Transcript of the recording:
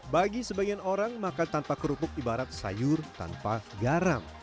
bagi sebagian orang makan tanpa kerupuk ibarat sayur tanpa garam